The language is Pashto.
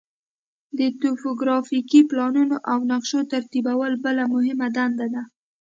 د توپوګرافیکي پلانونو او نقشو ترتیبول بله مهمه دنده ده